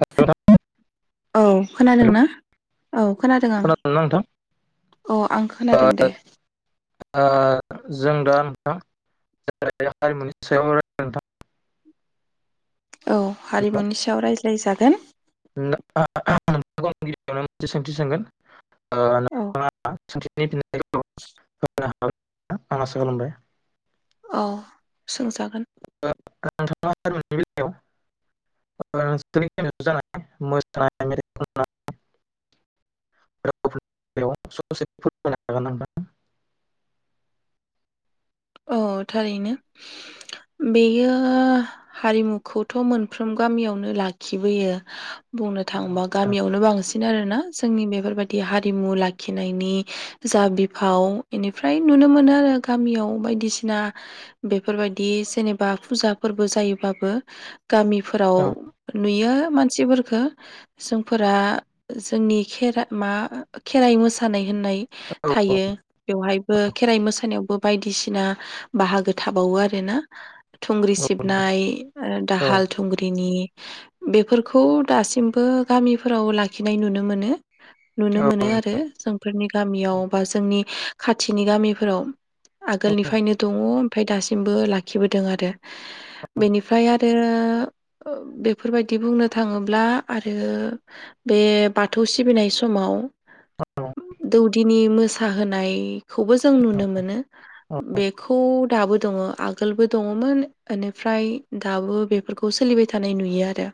Hello औ खोनादों ना औ खोनादों आं। खोनादोंना नोंथां? अ आं ओ खोनादों दे। [unintelligible] औ हारिमुनि सायाव [unintelligible] राय जागोन । [unintelligible] सोंथि सोंगोन । ओ [unintelligible] [unintelligible] औ आं आसाखालामबाय । अ सोंजागोन । [unintelligible] औ थारैनो बेयो हारिमुखौथ' मोनफ्रोम गामियावनो लाखिबोयो । बुंनो थाङोबा नोंथां गामियावनो बांसिन । बिनो आरोना जोंनि बेफोरबायदि हारिमु लाखिनायनि जा बिफाव इनिफ्राय नुनो मोनो आरो गामियाव बायदि दिसिना बेफोरबायदि जेनेबा फुजा फोरबो जायोबाबो गामिफोराव औ नुयो । मानसिफोरखो जोंफोरा जोंनि खेर मा खेराइ मोसानाय होननाय औ औ थायो बेवहायबो खेराइ मोसानायावबो बायदिसिना [unintelligible] बाहागो थाबावो आरो ना थुंग्रि नोंथां सिबनाय औ दाहाल थुंग्रिनि बेफोरखौ दासिमबो गामिफोराव लाखिनाय नुनो मोनो नुनो औ मोनो आरो जोंफोरनि गामियाव औ बा जोंनि खाथिनि गामिफोराव आगोलनिफ्रायनो दङ ओमफ्राय दासिमबो लाखिबोदों आरो बेनिफ्राय आरो बेफोरबायदि बुंनो थाङोब्ला आरो बे बाथौ सिबिनाय समाव दौदिनि मोसाहोनाय खौबो जों नुनो मोनो बे खौ दाबो दङ आगोलबो दङमोन बेनिफ्राय दाबो बेफोरखौ सोलिबाय थानाय नुयो आरो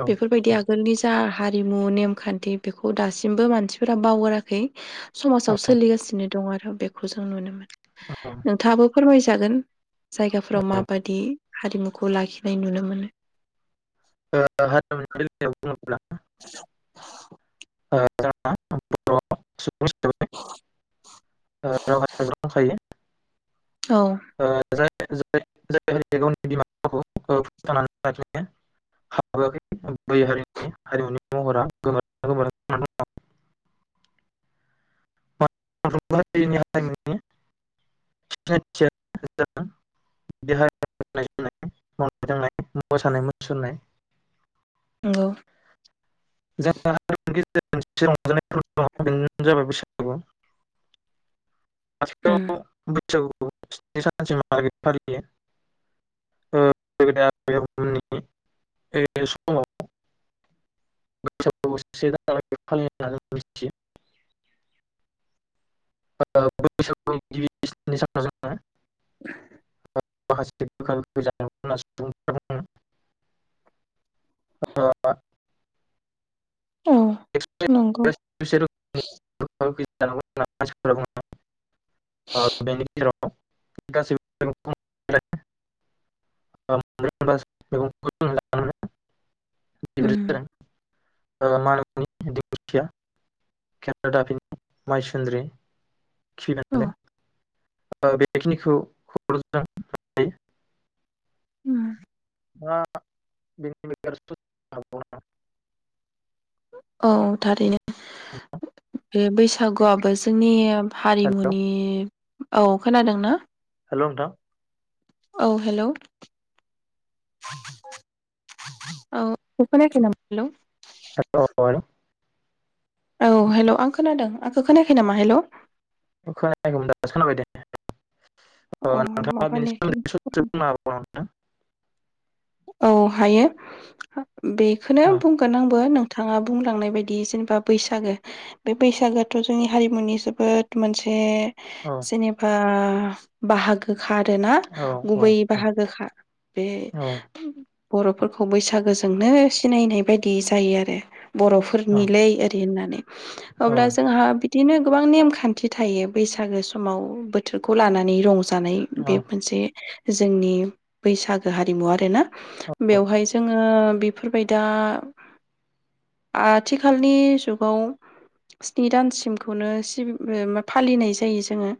औ बेफोरबायदि आगोलनि जा हारिमु नेमखान्थि बेखौ दासिमबो मानसिफोरा बावगाराखै औ समाजाव सोलिगासिनो दं आरो आरो बेखौ जों नुनो मोनो मोसानाय मुसुरनाय नोंथाङाबो फोरमायसै जागोन जायगाफोराव माबादि हारिमुखौ लाखिनाय नुनो मोनो जोंहा हारिमुनि [unintelligible] [unintelligible] ज [unintelligible] रावहा दंखायो औ ओ जाय। [unintelligible] [unintelligible] नंगौ। [unintelligible] उम [unintelligible] [unintelligible] [unintelligible] [unintelligible] [inaudible] [unintelligible] औ बुङो नंगौ। [unintelligible] [unintelligible] ओ‌ उम मानुब दिंखिया केराडापिनि माइसुन्द्रि। औ [unintelligible] ओ बेखनिखौ [unintelligible] उम ओ [unintelligible] औ थारैनो। नोंथां। बे बैसागुआबो जोंनि हेल' हारिमुनि औ खोनादों ना। हेलौ' नोंथां औ हेलौ' औ खोनायाखै नामा हेलौ। [unintelligible] औ हेलौ' आं खोनादों आंखो खोनायाखै नामा हेलौ। खोनायाखैमोन दा खोनाबाय दे। ओ अ नोंथांङा माबा बिनि सोमोनदै नेटवर्क सदसे बुंबावनो हागोन नामा नोंथां? औ हायो। बेखोनो नोंथां बुंगोन आंबो नों थांङा बुंलांनाय बायदि जेनबा बैसागो बे बैसागो आथ' जोंनि हारिमुनि जोबोद मोनसे। औ जेनेबा। बाहागो। खाआरोना औ औ गुबै औ बाहागोखा बे। औ बर'फोरखौ बैसागोजोंनो सिनायनाय बायदि जायो आरो। औ बर'फोरनिलै ओरै होननानै। औ अब्ला जोंहा बि दिनो गोबां नेमखान्थि थायो बैसागो समाव बोथोरखौ लानानै रंजा होननानै औ बे मोनसे जोंनि बैसागो हारिमु आरो ना बेवहाय जोङो ओ बेफोरबाय दा आथिखालनि जुगाव स्नि दानसिमखौनो सि फालिनाय जायो जोङो।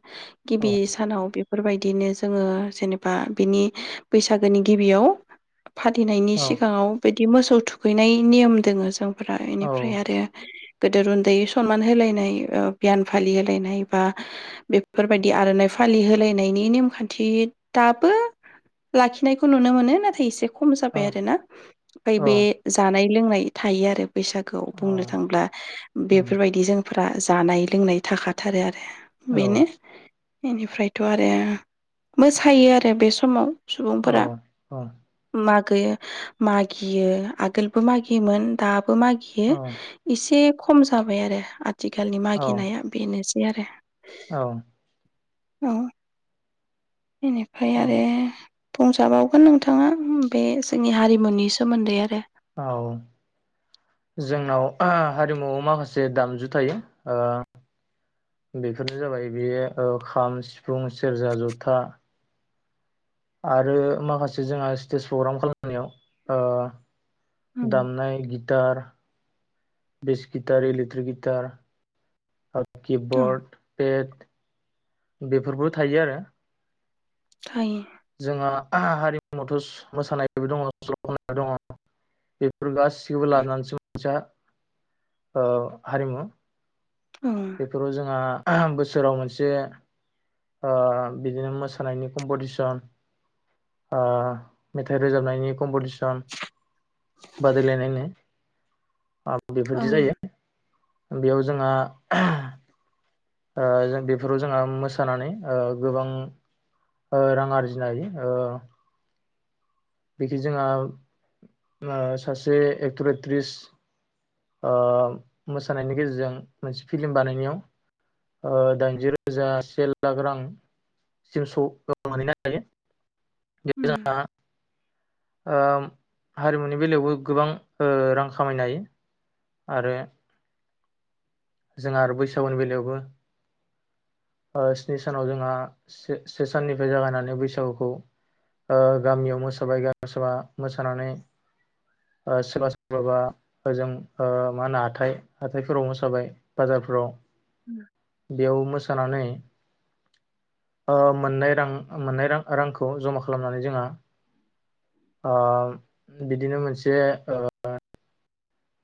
गिबि सानाव बे फोरबायदिनो जोङो जेनेबा बिनि बैसागोनि गिबियाव फालिनायनि औ सिगाङाव बे‌ बिदि मोसौ थुखैनाय नियम दोङो जों फोरा इनिफ्राय औ आरो गोदोर उन्दै सनमान होलायनाय ओ बिहान फालि होलायनाय बा बेफोरबायदि आर'नाइ फालि होलायनायनि नेमखान्थि दाबो लाखिनायखौ नुनो मोनो । नाथाय इसे खम जाबाय आरो ना फाय औ बे जानाय लोंनाय थायो आरो बैसागोआव औ बुंनो थांब्ला उम बेफोरबायदि जों फ्रा जानाय लोंनाय थाखाथारो आरो औ बेनो बेनिफ्रायथ' आरो मोसायो आरो बे समाव। सुबुंफोरा अह औ। मागो मागियो आगोलबो मागियोमोन दा बो मागियो इसे खम जाबाय आरो आ थिखालनि औ मागिनाया बेनोस आरो औ। औ। बेनिफ्राय औ आरो बुंजाबावगोन नों थाङा बे जोंनि हारिमुनि सोमोन्दै आरो औ जोंनाव हारिमुवाव माखासे दामजु थायो । ओ बेफोरनो जाबाय बेयो खाम, सिफुं, सेरजा, जथा आरो माखासे जोंहा स्टेज प्रग्राम खालामनायाव ओ उम दामनाय गिटार बेस गिटार इलेट्रि गिटार आ अ किबर्ड पेड बेफोरबो थायो आरो थायो। जोंहा हारिमुवावथ' मोसानायबो दङ', स'ल खननाय दङ', बेफोर गासिखौबो लानानैसो मोनसा ओ हारिमु। औ बेफोराव जोंहा बोसोराव मोनसे ओ बिदिनो मोसानायनि कम्पिटिसन ओ मेथाइ रोजाबनायनि कम्पिटिसन बादायलायनायनि औ बेबादि उम जायो बेयाव जोंहा ओ जों बेफोराव जोंहा मोसा नानै ओ गोबां रां आरजिनो हायो ओ बेदि जोंहा ओ सासे एक्टर एक्ट्रिस ओह मोसानायनि गेजेरजों मोनसे फिल्म बानायनायाव ओ दाइनजिरोजा से लाख रां सिम सौ मोनहैनो हायो। उम। [unintelligible] ओम हारिमुनि बेलायावबो गोबां ओ रां खामायनो हायो आरो जोंहा आरो बैसागुनि बेलायावबो ओ स्नि सानाव जोंहा से-से साननिफ्राय जागायनानै बैसागुखौ ओ गामियाव मोसाबाय सोरबा मोसानानै सोरबा सोरबाबा ओजों ओ मा होनो हाथाइ हाथाइफोराव मोसाबाय बाजारफोराव। बेयाव मोसा सानानै ओ-मोननाय रां मोननाय रां- रांखौ जमा खालामनानै जोंहा। ओ-बिदिनोमोनसे ओ-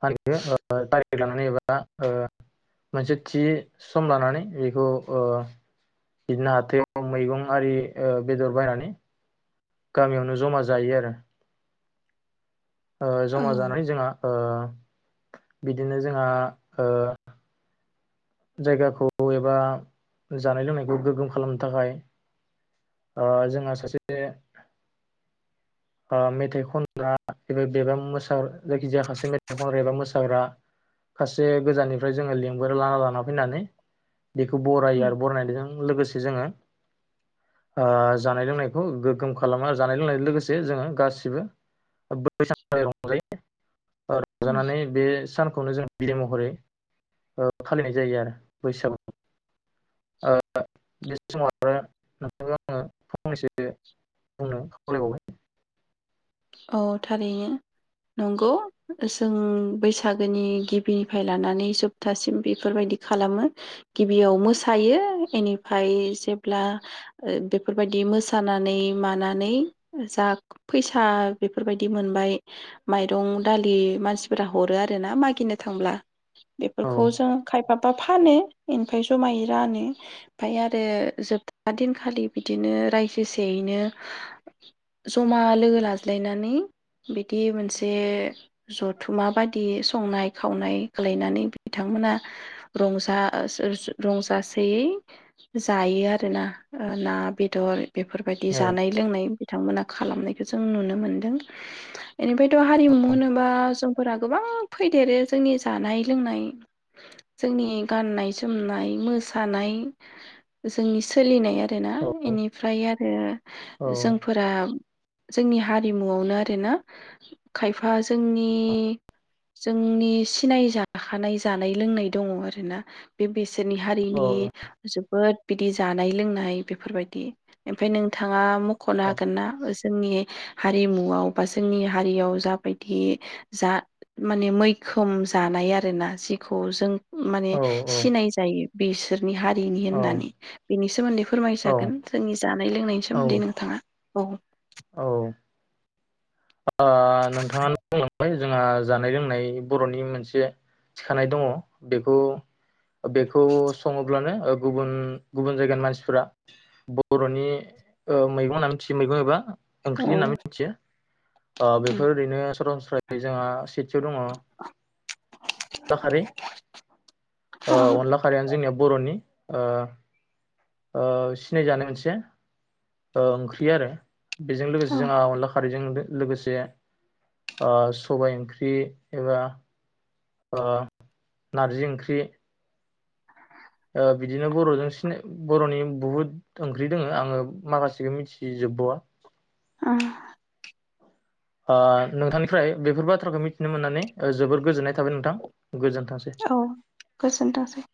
[unintelligible] थारिक लानानै एबा ओ-मोनसे थि सम लानानै बेखौ ओ-बिदिनो हाथायाव मैगं आरि ओ-बेदर बायनानै गामियावनो जमा जायो आरो औ ओ-जमा जानानै जोंहा ओ- बिदिनो जोंहा ओ- जायगाखौ एबा जानाय लोंनायखौ गोग्गोम खालामनो थाखाय ओ-जोंहा सासे ओ-मेथाइ खनग्रा एबा बेबा जायखिजाया खासे मेथाइ खनग्रा एबा मोसाग्रा खासे गोजाननिफ्राय जोङो लिंबो लाना लाना फैनानै। बेखौ बरायो आरो उम बरायनायजों लोगोसे जोङो। ओ-जानाय लोंनायखौ गोग्गोम खालामो जानाय लोंनाय लोगोसे। जे जों गासिबो बै सानखालि रंजायो। उम ओ-रंजानानै बे सानखौनो जों। बिदाय महरै ओ-फालिनाय जायो आरो बैसागु। ओ-बे समाव आरो नोंथांखौ आङो फंनैसो बुंनो खावलायबावबाय। औ थारैनो नंगौ जों बैसागोनि गिबिनिफ्राय लानानै जोबथासिम बेफोरबायदि खालामो गिबियाव मोसायो बेनिफ्राय जेब्ला बेफोरबायदि मोसानानै मानानै जा फैसा बेफोरबायदि मोनबाय माइरं दालि मानसिफोरा हरो आर ना मागिनो थांब्ला । औ बेफोरखौ जों खायफा माबा फानो ओमफ्राय जमायै रानो ओमफ्राय आरो जोबथा दिनखालि बिदिनो रायजोसेयैनो जमा लोगो ला लायनानै बिदि मोनसे जथुमा बायदि संनाय खावनाय खालायनानै बिथांमोना रंजा रंजासेयै जायो आरोना ना बेदर बेफोरबायदि जानाय लोंनाय बिथांमोना खालामनायखौ जों नुनो मोन मोनदों। बेनिफ्रायथ हारिमु होनोबा जों। फोरा गोबां फैदेरो जोंनि जानाय लोंनाय जोंनि गाननाय जोमनाय मोसानाय जोंनि सोलिनाय। आरोना बेनिफ्राय आरो औ जोंफोरा। जोंनि हारि मुवावनो आरोना खायफा जोंनि जोंनि सिनाय जाखानाय जानाय। लोंनाय दङ आरोना बे बिसोरनि औ हारिनि जोबोद बिदि जानाय लोंनाय बेफोरबायदि ओमफाय नों? नोंथांङा मख'नो औ हागोनना जोंनि? हारिमुआव बा जोंनि हारियाव जाबायदि जा माने मैखोम जानाय आरोना जिखौ जों। माने औ औ सिनाय जायो। बिसो नि हारिनि औ होननानै बेनि सोमोन्दै औ फोरमायसागोन जोंनि जानाय लोंनायनि औ सोमोन्दै नोंथाङा। औ औ ओ नोंथाङा बुंलांबाय। जोंहा जानाय लोंनाय बर'नि मोनसे थिखानाय दङ' बेखौ बेखौ सङोब्लानो ओ गुबुन गुबुन जायगानि मानसिफोरा बर'नि ओ मैगं होनना मिथियो मैगं एबा ओंख्रि औ होनना मिथियो। ओ बेफोर ओरैनो सरासनस्रायै जोंहा सेथियाव दङ' अनला खारै ओ अनला खारियानो जोंनिया बर'नि ओ ओ सिनायजानाय मोनसे ओ ओंख्रि आरो। बेजों लोगोसे औ जोंहा अनला खारै जों दो लोगोसे ओ सबाय ओंख्रि एबा ओ नारजि ओंख्रि ओ बिदिनो बर'जों सिना बर'नि बुहुद ओंख्रि दोङो आङो माखासेखौ मिथिजोबबावा उम। ओ नोंथांनिफ्राय बेफोर बाथ्राखौ मिथिनो मोननानै जोबोर गोजोननाय थाबाय नोंथां। गोजोनथोंसै। औ गोजोनथोंसै।